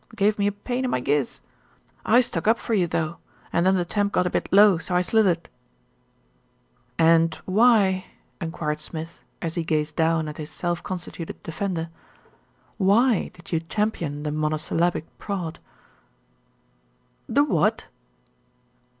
Gave me a pain in my giz. I stuck up for you though, and then the temp got a bit low, so I slithered." "And why," enquired Smith, as he gazed down at his self constituted defender, "why did you champion the monosyllabic prod?" "The what?"